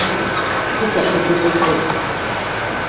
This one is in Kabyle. Fukeɣ tasuqqilt ass-a.